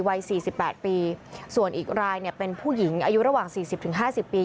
วัยสี่สิบแปดปีส่วนอีกรายเนี่ยเป็นผู้หญิงอายุระหว่างสี่สิบถึงห้าสิบปี